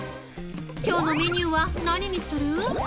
きょうのメニューは何にする？